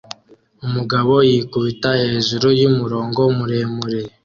Umugabo yikubita hejuru yumurongo muremure